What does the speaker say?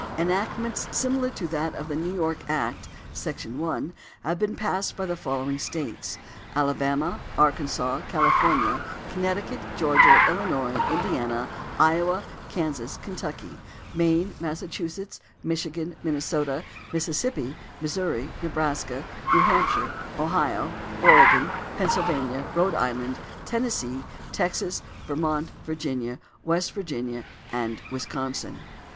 Enactments similar to that of the New York Act, sec. 1, have been passed by the following States: Alabama, Arkansas, California, Connecticut, Georgia, Illinois, Indiana, Iowa, Kansas, Kentucky, Maine, Massachusetts, Michigan, Minnesota, Mississippi, Missouri, Nebraska, New Hampshire, Ohio, Oregon, Pennsylvania, Rhode Island, Tennessee, Texas, Vermont, Virginia, West Virginia, and Wisconsin.